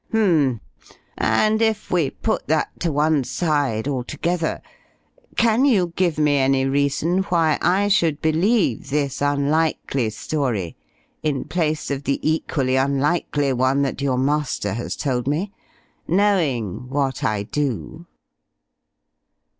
"H'm. And if we put that to one side altogether can you give me any reason why I should believe this unlikely story in place of the equally unlikely one that your master has told me knowing what I do?"